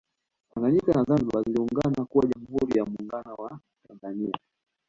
Tanganyika na Zanzibar ziliungana kuwa Jamhuri ya Muungano wa Tanzania